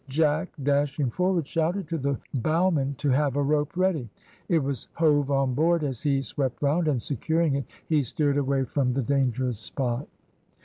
Jack dashing forward shouted to the bowman to have a rope ready. It was hove on board as he swept round, and securing it he steered away from the dangerous spot.